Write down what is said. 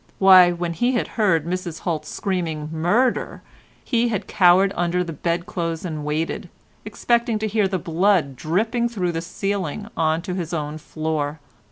Why, when he had heard Mrs Holt screaming "murder," he had cowered under the bed clothes and waited, expecting to hear the blood dripping through the ceiling on to his own floor.